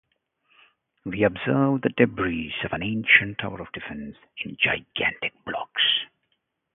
We observe the debris of an ancient tower of defense in gigantic blocks.